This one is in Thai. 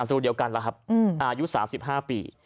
สูตรเดียวกันแล้วครับอายุ๓๕ปี